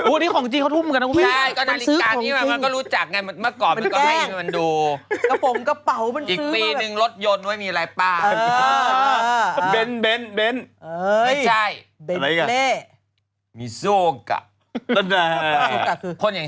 อุ๊ะนี่ของจริงเขาทุ่มกันนะ